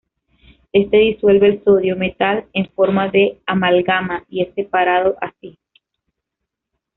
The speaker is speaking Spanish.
Este disuelve el sodio metal en forma de amalgama y es separado así.